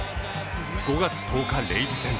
５月１０日、レイズ戦。